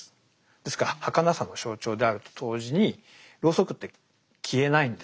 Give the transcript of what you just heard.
ですからはかなさの象徴であると同時にロウソクって消えないんですよね。